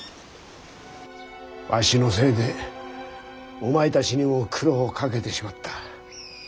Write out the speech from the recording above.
わしのせいでお前たちにも苦労をかけてしまった。